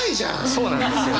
そうなんですよ。